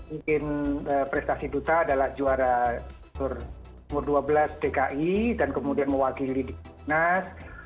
mungkin prestasi duta adalah juara umur dua belas dki dan kemudian mewakili dinas